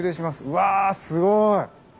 うわすごい！